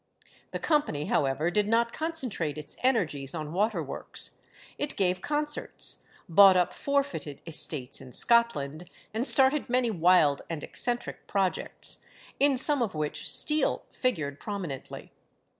The company, however, did not concentrate its energies on waterworks; it gave concerts, bought up forfeited estates in Scotland, and started many wild and eccentric projects, in some of which Steele figured prominently.